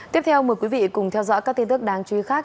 tiếp theo mời quý vị cùng theo dõi các tin tức đáng chú ý khác